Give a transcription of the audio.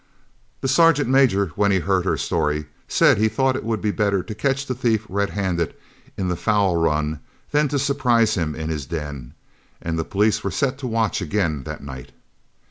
The sergeant major, when he heard her story, said he thought it would be better to catch the thief red handed in the fowl run than to surprise him in his den, and the police were set to watch again that night.